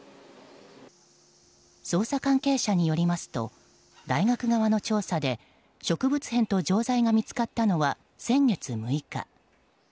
捜査関係者によりますと大学側の調査で植物片と錠剤が見つかったのは先月６日。